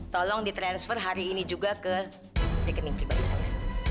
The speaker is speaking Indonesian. tolong ditransfer hari ini juga ke rekening pribadi saya